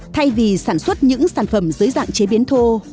thay vì sản xuất những sản phẩm dưới dạng chế biến thô